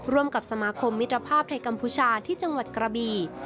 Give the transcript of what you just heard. ร่วมกับสมาคมมิตรภาพในกัมพูชาที่จังหวัดกระบี